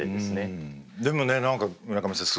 でもね何か村上さん